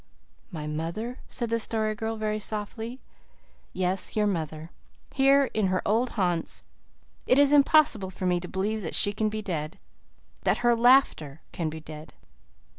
"My mother?" said the Story Girl very softly. "Yes, your mother. Here, in her old haunts, it is impossible for me to believe that she can be dead that her LAUGHTER can be dead.